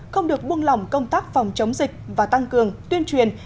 không được buông lỏng công tác phòng chống dịch và tăng cường tuyên truyền